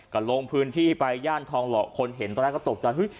ก็ลงพื้นที่ไปย่านทองหล่อคนเห็นตอนแรกก็ตกใจเฮ้ย